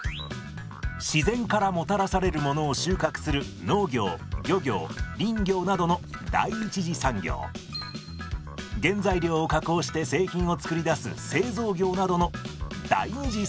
自然からもたらされるものを収穫する農業漁業林業などの原材料を加工して製品を作り出す製造業などの第二次産業です。